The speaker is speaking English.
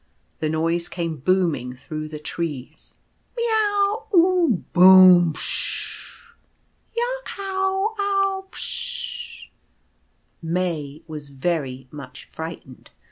The noise came booming through the trees. a Meiau u boom r p s s s. Yarkhow iau p s s." May was very much frightened.